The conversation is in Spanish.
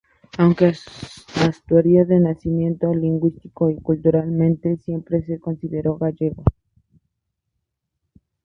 Aunque asturiano de nacimiento, lingüística y culturalmente siempre se consideró gallego.